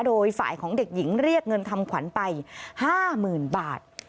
โดยฝ่ายของเด็กหญิงเรียกเงินทำขวัญไป๕๐๐๐บาท